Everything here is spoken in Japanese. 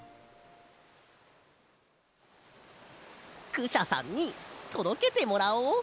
クシャさんにとどけてもらおう。